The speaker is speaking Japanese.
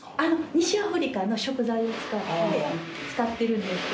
西アフリカの食材を使ってるんですけれども。